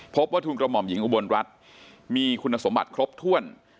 พบว่าทุนกระหม่อมหญิงอุบลรัฐมีคุณสมบัติครบถ้วน